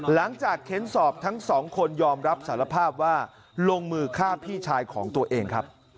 เค้นสอบทั้งสองคนยอมรับสารภาพว่าลงมือฆ่าพี่ชายของตัวเองครับ